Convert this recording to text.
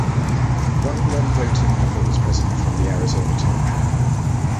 One non-voting member was present from the Arizona Territory.